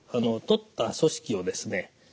とった組織をですね